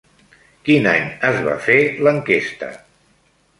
Quin any es va fer l'enquesta?